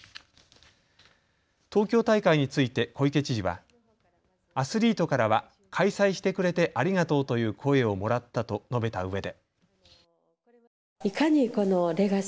東京大会について小池知事はアスリートからは開催してくれてありがとうという声をもらったと述べたうえで。